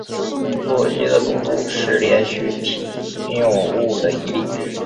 洛基的赌注是连续体谬误的一例。